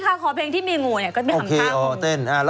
ใครคือน้องใบเตย